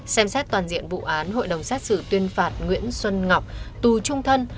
xem xét toàn diện vụ án hội đồng xét xử tuyên phạt nguyễn xuân ngọc tù trung thân